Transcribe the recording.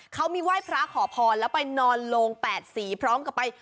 เขามีไหว้พระขอพรแล้วไปนอนโลงแปดสีพร้อมกับไป